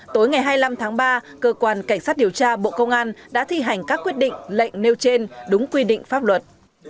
tối ngày hai mươi năm tháng ba cơ quan cảnh sát điều tra bộ công an đã thi hành các quyết định lệnh nêu trên đúng quy định pháp luật